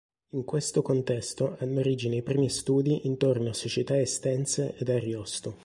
In questo contesto hanno origine i primi studi intorno a società estense ed Ariosto.